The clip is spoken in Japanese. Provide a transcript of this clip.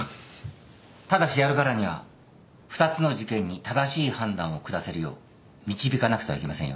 ただしやるからには２つの事件に正しい判断を下せるよう導かなくてはいけませんよ